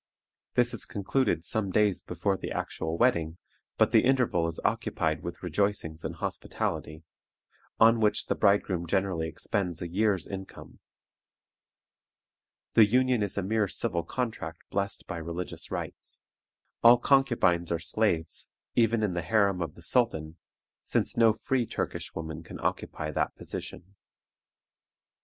This is concluded some days before the actual wedding, but the interval is occupied with rejoicings and hospitality, on which the bridegroom generally expends a year's income. The union is a mere civil contract blessed by religious rites. All concubines are slaves, even in the harem of the sultan, since no free Turkish woman can occupy that position.